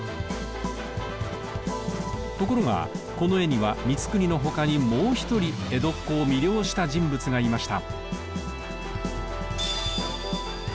ところがこの絵には光國の他にもう一人江戸っ子を魅了した人物がいました。